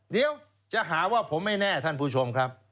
เดี๋ยวจะหาว่าผมไม่แน่ท่านผู้ชมครับ